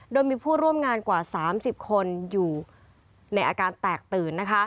โดยมีผู้ร่วมงานกว่า๓๐คนอยู่ในอาการแตกตื่น